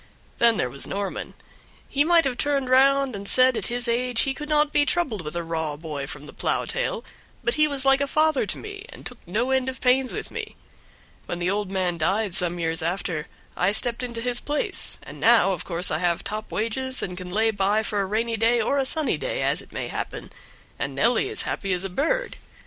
Then there was Norman; he might have turned round and said at his age he could not be troubled with a raw boy from the plow tail, but he was like a father to me, and took no end of pains with me. When the old man died some years after I stepped into his place, and now of course I have top wages, and can lay by for a rainy day or a sunny day, as it may happen, and Nelly is as happy as a bird.